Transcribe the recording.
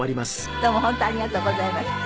どうも本当ありがとうございました。